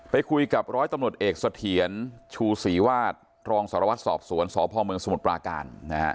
ไปคุยกับร้อยตำรวจเอกสเถียนชูศรีวาดรองสรวัสดิ์สอบสวนสพมสมุทรปลาการ